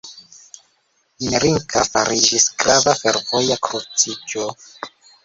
Jmerinka fariĝis grava fervoja kruciĝo.